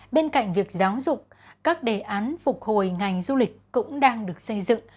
bên cạnh việc giáo dục các đề án phục hồi ngành du lịch cũng đang được xây dựng